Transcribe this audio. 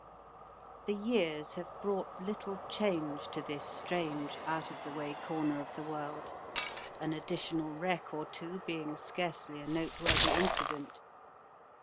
The years have brought little change to this strange out of the way corner of the world, an additional wreck or two being scarcely a noteworthy incident.